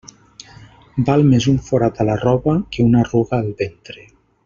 Val més un forat a la roba que una arruga al ventre.